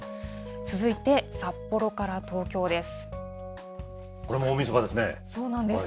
続いて札幌から東京です。